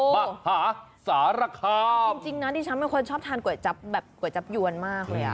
มหาสารคามจริงนะดิฉันเป็นคนชอบทานก๋วยจับแบบก๋วยจับยวนมากเลยอ่ะ